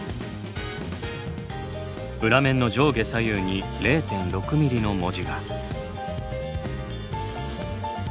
裏面の上下左右に０．６ｍｍの文字が。